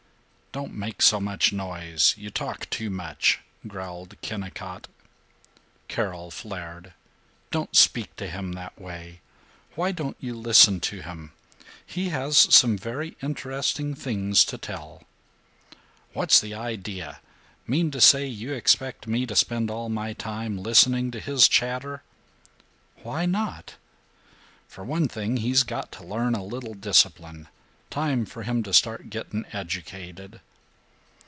"Don't make so much noise. You talk too much," growled Kennicott. Carol flared. "Don't speak to him that way! Why don't you listen to him? He has some very interesting things to tell." "What's the idea? Mean to say you expect me to spend all my time listening to his chatter?" "Why not?" "For one thing, he's got to learn a little discipline. Time for him to start getting educated."